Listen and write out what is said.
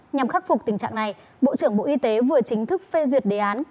nhằm khắc phục tình trạng này bộ trưởng bộ y tế vừa chính thức phê duyệt đề án